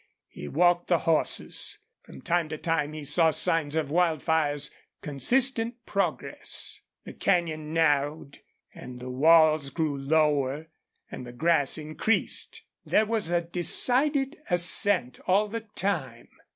He walked the horses. From time to time he saw signs of Wildfire's consistent progress. The canyon narrowed and the walls grew lower and the grass increased. There was a decided ascent all the time.